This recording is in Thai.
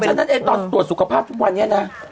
เพราะฉะนั้นตอนตรวจสุขภาพทุกวันเนี่ยนะ